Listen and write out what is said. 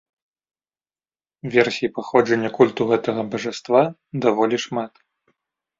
Версій паходжання культу гэтага бажаства даволі шмат.